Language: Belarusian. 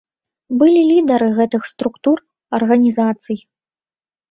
Былі лідары гэтых структур, арганізацый.